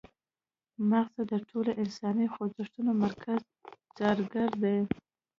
مغزه د ټولو انساني خوځښتونو مرکزي څارګر دي